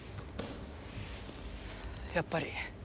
やっぱり。